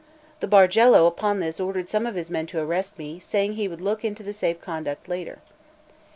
The Bargello upon this ordered some of his men to arrest me, saying he would look to the safe conduct later.